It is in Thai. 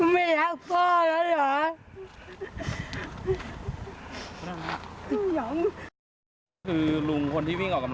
ไม่รักพ่อแล้วเหรอ